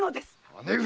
姉上！